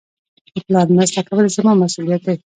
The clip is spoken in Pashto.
د پلار مرسته کول زما مسئولیت دئ.